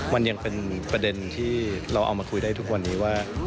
มันยังเป็นประเด็นที่เราเอามาคุยได้ทุกวันนี้ว่า